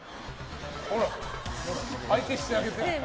相手してあげて。